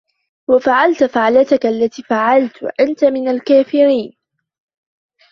وَفَعَلْتَ فَعْلَتَكَ الَّتِي فَعَلْتَ وَأَنْتَ مِنَ الْكَافِرِينَ